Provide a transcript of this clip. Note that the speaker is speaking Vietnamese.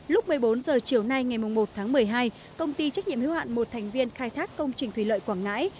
lúc một mươi bốn h chiều nay ngày một tháng một mươi hai công ty trách nhiệm hữu hạn một thành viên khai thác công trình thủy lợi quảng ngãi